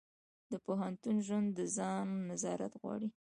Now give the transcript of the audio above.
د پوهنتون ژوند د ځان نظارت غواړي.